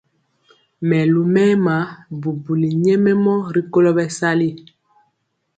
Mɛlumɛma bubuli nyɛmemɔ rikolo bɛsali.